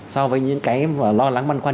so với những cái lo lắng băn quan